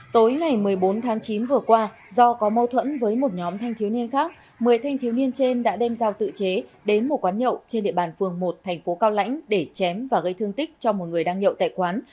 tối ngày một mươi bốn tháng chín vừa qua do có mâu thuẫn với một nhóm thanh thiếu niên khác một mươi thanh thiếu niên trên đã đem giao tự chế đến một quán nhậu trên địa bàn phường một thành phố cao lãnh để chém và gây thương tích cho một người đang nhậu tại quán